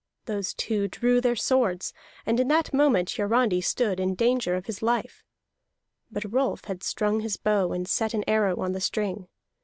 Those two drew their swords, and in that moment Hiarandi stood in danger of his life. But Rolf had strung his bow and set an arrow on the string.